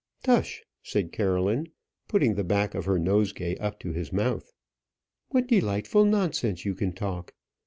"Tush!" said Caroline, putting the back of her nosegay up to his mouth. "What delightful nonsense you can talk.